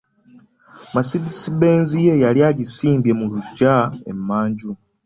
Mercedes-Benz' ye yali agissimbye mu lugya emanju.